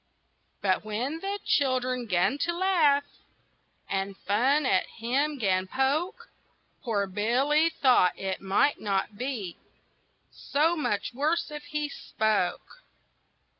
But when the children 'gan to laugh, And fun at him 'gan poke, Poor Billy thought it might not be So much worse if he spoke.